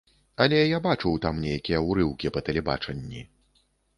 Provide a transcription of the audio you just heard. Але я бачыў там нейкія ўрыўкі па тэлебачанні.